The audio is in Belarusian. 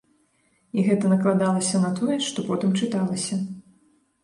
І гэта накладалася на тое, што потым чыталася.